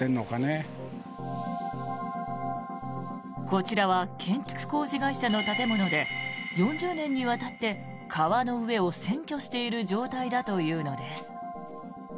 こちらは建築工事会社の建物で４０年にわたって川の上を占拠している状態だというのです。